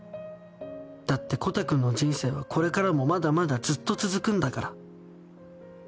だってコタくんの人生はこれからもまだまだずっと続くんだから」。